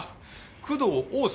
工藤大崎